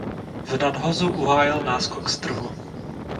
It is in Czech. V nadhozu uhájil náskok z trhu.